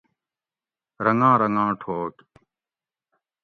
رنگاں رنگاں ٹھوک